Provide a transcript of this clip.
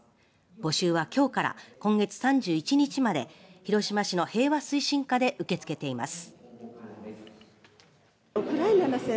募集はきょうから今月３１日まで広島市の平和推進課で受け付けています。